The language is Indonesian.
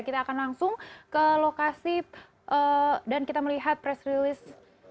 kita akan langsung ke lokasi dan kita melihat press release